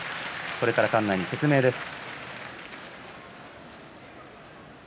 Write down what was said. これから館内に説明です。